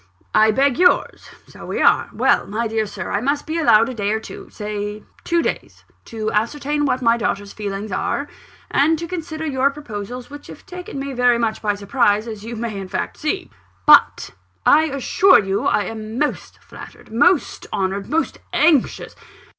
"I beg yours so we are. Well, my dear Sir, I must be allowed a day or two say two days to ascertain what my daughter's feelings are, and to consider your proposals, which have taken me very much by surprise, as you may in fact see. But I assure you I am most flattered, most honoured, most anxious